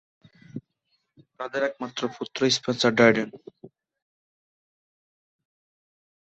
তাদের একমাত্র পুত্র স্পেন্সার ড্রাইডেন।